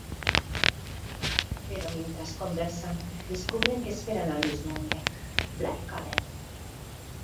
Pero mientras conversan descubren que esperan al mismo hombre, Blake Allen.